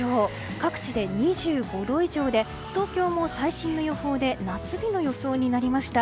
各地で２５度以上で東京も最新の予報で夏日の予想になりました。